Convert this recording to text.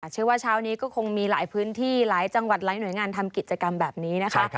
เช้านี้ก็คงมีหลายพื้นที่หลายจังหวัดหลายหน่วยงานทำกิจกรรมแบบนี้นะคะ